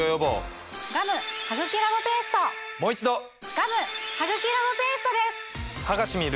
ガム・ハグキラボペーストです！